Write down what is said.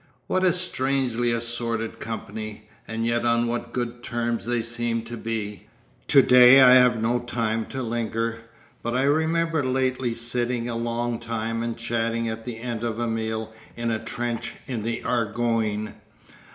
What a strangely assorted company, and yet on what good terms they seem to be! To day I have no time to linger, but I remember lately sitting a long time and chatting at the end of a meal in a trench in the Argonne.